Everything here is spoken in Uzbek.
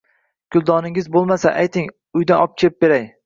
Kuldoningiz bo‘lmasa, ayting, uydan obkeb beray!